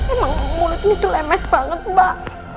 emang mulut ini dilemes banget mbak